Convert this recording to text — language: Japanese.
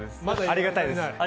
ありがたいです。